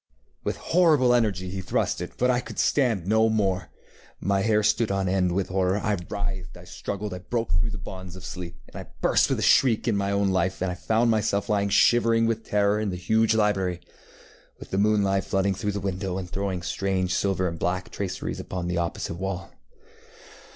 With horrible energy he thrust itŌĆöbut I could stand no more. My hair stood on end with horror. I writhed, I struggled, I broke through the bonds of sleep, and I burst with a shriek into my own life, and found myself lying shivering with terror in the huge library, with the moonlight flooding through the window and throwing strange silver and black traceries upon the opposite wall.